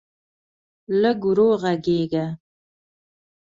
لږ ورو غږېږه.